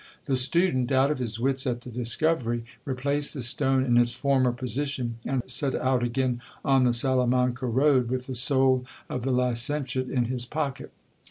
" The student, out of his wits at the discovery, replaced the stone in its former position, and set out again on the Salamanca road with the soul of the licentiate in his pocket.